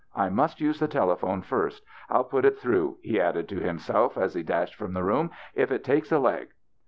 I must use the telephone first. I'll put it through," he added to himself as he dashed from the room, " if it takes a leg."